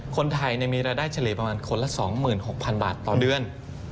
คนไทยมีรายได้เฉลี่ยประมาณคนละ๒๖๐๐๐บาทต่อเดือน